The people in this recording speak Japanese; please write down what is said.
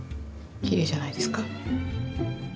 きれいじゃないですか？